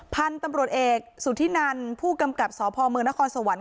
พันธุ์ตำรวจเอกสุธินันผู้กำกับสพเมืองนครสวรรค